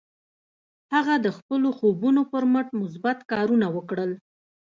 هغه د خپلو خوبونو پر مټ مثبت کارونه وکړل.